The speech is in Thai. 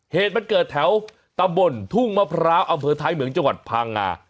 เหตุมันเกิดแถวตำบลทุ่งมะพร้าวอำเภอท้ายเหมืองจังหวัดพังงา